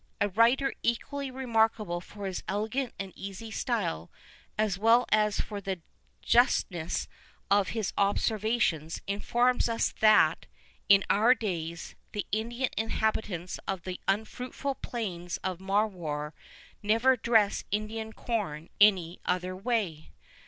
A writer equally remarkable for his elegant and easy style, as well as for the justness of his observations, informs us that, in our days, the Indian inhabitants of the unfruitful plains of Marwar never dress Indian corn in any other way.